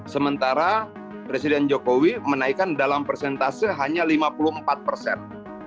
sementara presiden jokowi menaikkan dalam persentase hanya lima puluh empat persen